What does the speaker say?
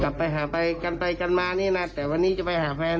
กลับไปหาไปกันไปกันมานี่นะแต่วันนี้จะไปหาแฟน